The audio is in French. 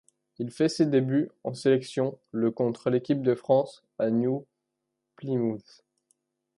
Il fait ses débuts en sélection le contre l'équipe de France à New Plymouth.